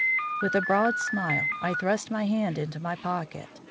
With a broad smile, I thrust my hand into my pocket.